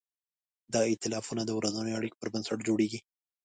دا ایتلافونه د ورځنیو اړیکو پر بنسټ جوړېږي.